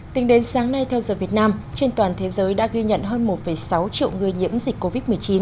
tính đến sáng nay theo giờ việt nam trên toàn thế giới đã ghi nhận hơn một sáu triệu người nhiễm dịch covid một mươi chín